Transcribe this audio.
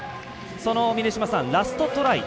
そのラストトライ。